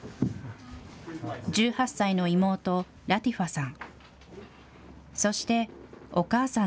１８歳の妹、ラティファさん。